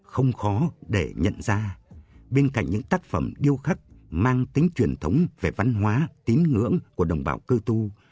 không khó để nhận ra bên cạnh những tác phẩm điêu khắc mang tính truyền thống về văn hóa tín ngưỡng của đồng bào cơ tu